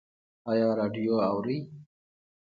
ایا راډیو اورئ؟